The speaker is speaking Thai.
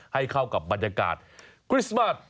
ให้เข้ากับบรรยากาศคริสต์มาส